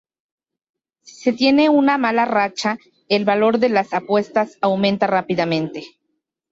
Si se tiene una mala racha, el valor de las apuestas aumenta rápidamente.